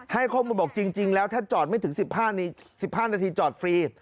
ให้ข้อมูลบอกจริงแล้วถ้าจอดไม่ถึง๑๕นาทีจอดฟรี